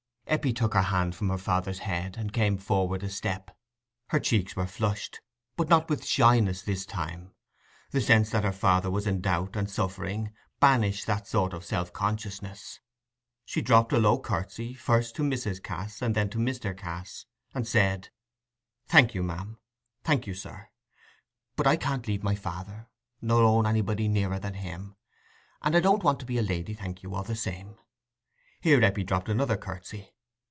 Eppie took her hand from her father's head, and came forward a step. Her cheeks were flushed, but not with shyness this time: the sense that her father was in doubt and suffering banished that sort of self consciousness. She dropped a low curtsy, first to Mrs. Cass and then to Mr. Cass, and said— "Thank you, ma'am—thank you, sir. But I can't leave my father, nor own anybody nearer than him. And I don't want to be a lady—thank you all the same" (here Eppie dropped another curtsy).